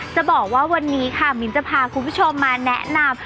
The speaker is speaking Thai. จะบอกว่าวันนี้ค่ะมิ้นจะพาคุณผู้ชมมาแนะนำ